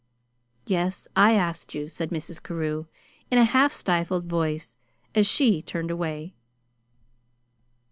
"Yes, I asked you," said Mrs. Carew in a half stifled voice, as she turned away.